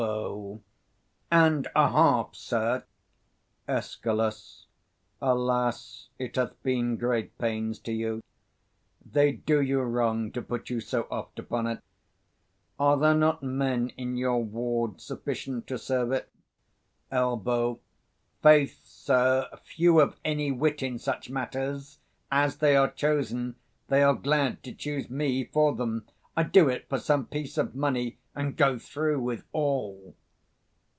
_ And a half, sir. Escal. Alas, it hath been great pains to you. They do you wrong to put you so oft upon't: are there not men in your ward sufficient to serve it? 250 Elb. Faith, sir, few of any wit in such matters: as they are chosen, they are glad to choose me for them; I do it for some piece of money, and go through with all.